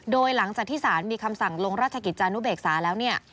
โดยหลังจากที่สารมีคำสั่งลงราชกิจจานุเบกษาแล้วเนี่ย